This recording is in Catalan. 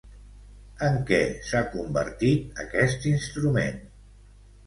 En què s'ha convertit aquest instrument?